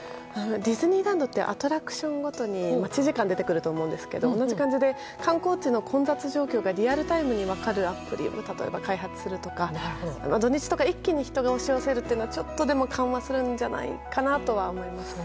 ディズニーランドってアトラクションごとに待ち時間出てくると思うんですけどあの感じで観光地の混雑状況がリアルタイムに分かるアプリを開発するとか土日とか一気に人が押し寄せるというのがちょっと緩和するんじゃないかなと思います。